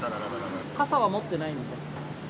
傘は持ってない？